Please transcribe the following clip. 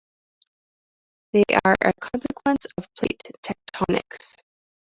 They are a consequence of plate tectonics.